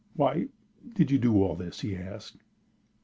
"Why did you do all this?" he asked.